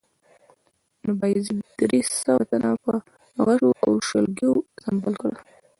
نو بایزید درې سوه تنه په غشو او شلګیو سنبال کړل